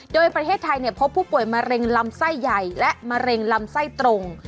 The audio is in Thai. โดยประเทศไทยพบผู้ป่วยมะเร็งลำไส้ใหญ่และมะเร็งลำไส้ตรง